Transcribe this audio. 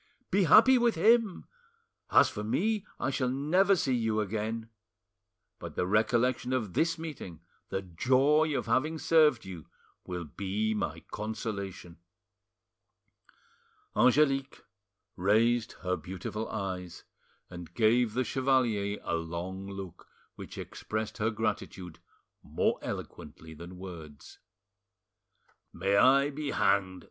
Be happy with him! As for me, I shall never see you again; but the recollection of this meeting, the joy of having served you, will be my consolation." Angelique raised her beautiful eyes, and gave the chevalier a long look which expressed her gratitude more eloquently than words. "May I be hanged!"